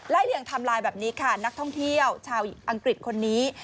เลี่ยงทำลายแบบนี้ค่ะนักท่องเที่ยวชาวอังกฤษคนนี้